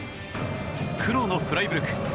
黒のフライブルク。